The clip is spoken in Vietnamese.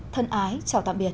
thân ái chào tạm biệt